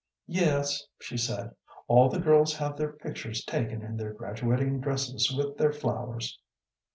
"Yes," she said. "All the girls have their pictures taken in their graduating dresses with their flowers."